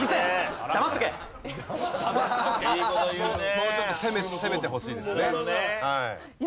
もうちょっと攻めてほしいですね。